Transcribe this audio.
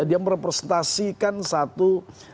dia merepresentasikan satu